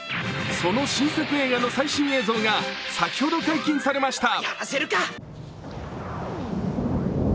その新作映画の最新映像が先ほど解禁されました。